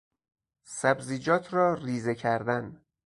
سبزیجات را ریزه کردن